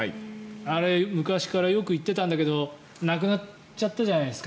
あれ、昔からよく行っていたんですけどなくなっちゃったんですよ。